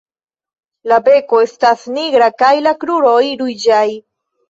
La beko estas nigra kaj la kruroj ruĝaj.